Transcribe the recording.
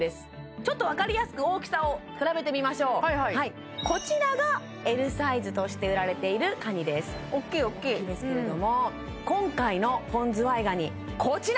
ちょっと分かりやすく大きさを比べてみましょうこちらがＬサイズとして売られているカニです・大っきい大っきい大っきいですけれども今回の本ズワイガニこちら！